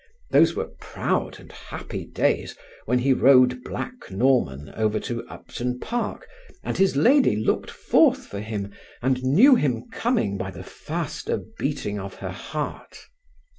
Those were proud and happy days when he rode Black Norman over to Upton Park, and his lady looked forth for him and knew him coming by the faster beating of her heart.